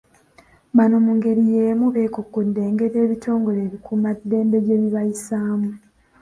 Bano mu ngeri y'emu bekkokkodde engeri ebitongole ebikuumaddembe gye bibayisaamu .